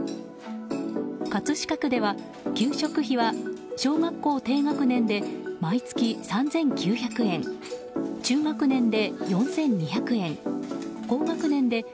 葛飾区では給食費は小学校低学年で毎月３９００円中学年で４２００円高学年で４４９０円